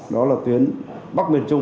đó là tuyến bắc nguyên trung